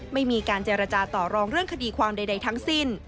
ไม่มีการเจรจาต่อรองเรื่องคดีความใดทั้งสิ้น